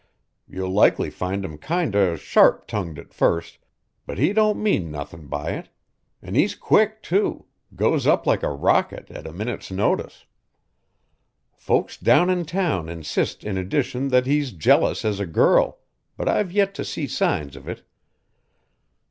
You'll likely find him kinder sharp tongued at first, but he don't mean nothin' by it; and' he's quick, too goes up like a rocket at a minute's notice. Folks down in town insist in addition that he's jealous as a girl, but I've yet to see signs of it.